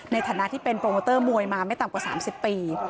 ในฐานะที่เป็นโปรโมเตอร์มวยมาไม่ต่ำกว่า๓๐ปี